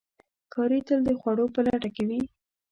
ښکاري تل د خوړو په لټه کې وي.